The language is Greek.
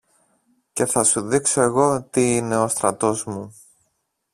και θα σου δείξω εγώ τι είναι ο στρατός μου.